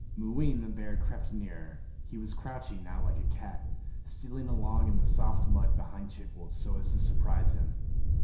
Mooween the bear crept nearer; he was crouching now like a cat, stealing along in the soft mud behind Chigwooltz so as to surprise him.